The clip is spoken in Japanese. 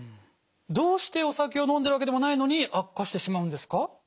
どうしてお酒を飲んでるわけでもないのに悪化してしまうんですか？